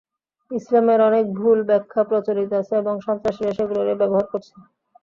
ইসলামের অনেক ভুল ব্যাখ্যা প্রচলিত আছে এবং সন্ত্রাসীরা সেগুলোই ব্যবহার করছে।